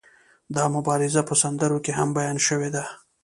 دا مبارزه په سندرو کې هم بیان شوې ده.